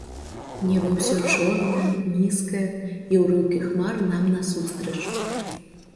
Неба ўсё чорнае, нізкае, і ўрыўкі хмар нам насустрач.